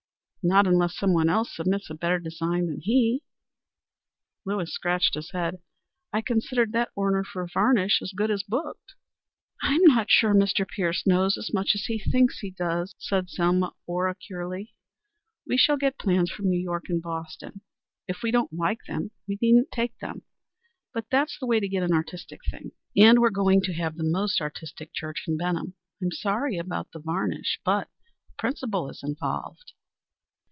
"Not unless some one else submits a better design than he." Lewis scratched his head. "I considered that order for varnish as good as booked." "I'm not sure Mr. Pierce knows as much as he thinks he does," said Selma oracularly. "We shall get plans from New York and Boston. If we don't like them we needn't take them. But that's the way to get an artistic thing. And we're going to have the most artistic church in Benham. I'm sorry about the varnish, but a principle is involved."